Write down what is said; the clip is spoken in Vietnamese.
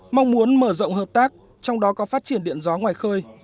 mong muốn mở rộng hợp tác trong đó có phát triển điện gió ngoài khơi